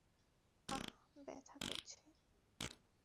আহ, ব্যাথা করছে।